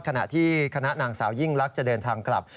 ขณะที่คณะนางสาวยิ่งลักษณ์จะเดินทางกลับ